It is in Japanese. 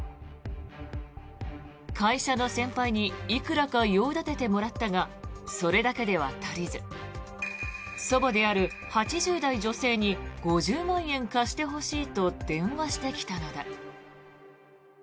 会社の先輩にいくらか用立ててもらったがそれだけでは足りず祖母である８０代女性に５０万円貸してほしいと電話してきたのだ。